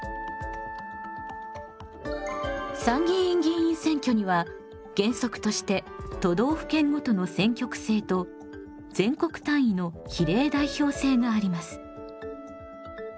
参議院議員選挙には原則として都道府県ごとの選挙区制と全国単位の比例代表制があります。